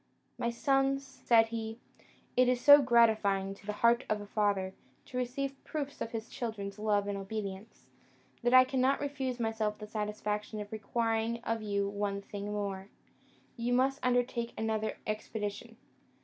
"My sons," said he, "it is so gratifying to the heart of a father to receive proofs of his children's love and obedience, that I cannot refuse myself the satisfaction of requiring of you one thing more. You must undertake another expedition.